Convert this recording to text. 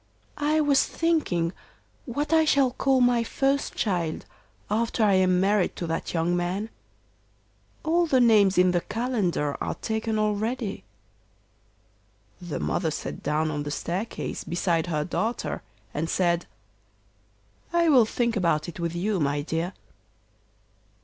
'I was thinking what I shall call my first child after I am married to that young man. All the names in the calendar are taken already.' The mother sat down on the staircase beside her daughter and said, 'I will think about it with you, my dear.